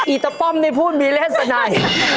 อีตะป้อมในพูดมีเล่นสักหน่อย